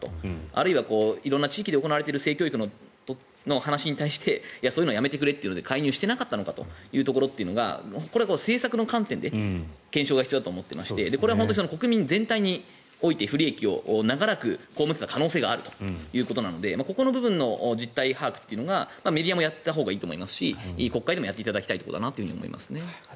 あるいは色んな地域で行われている性教育の話に対してそういうのをやめてくれということをしていなかったのがこれは政策の観点で検証が必要だと思っていましてこれは本当に国民全体において不利益を長らくこうむっていた可能性があるということなのでここの部分の実態把握はメディアもやったほうがいいと思いますし国会でもやっていただきたいと思います。